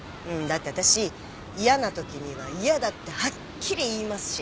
だって私嫌なときには嫌だってはっきり言いますし。